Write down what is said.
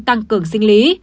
tăng cường sinh lý